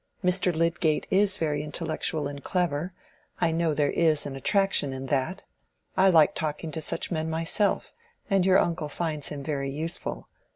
Mr. Lydgate is very intellectual and clever; I know there is an attraction in that. I like talking to such men myself; and your uncle finds him very useful.